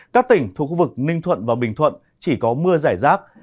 các tỉnh thuộc khu vực ninh thuận và bình thuận chỉ có mưa giải rác